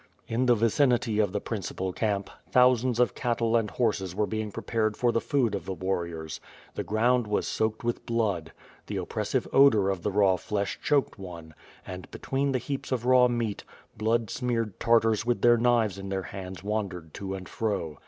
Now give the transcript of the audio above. '' In the vicinity of the principal camp, thousands of cattle and horses were being prepared for the food of the warriors. The ground was soaked with blood. The oppressive o<lor of the raw flesh choked one, ard, between the heaps of raw meat, blood smeared Tartars with their knives in tlieir hands wandered to and fro.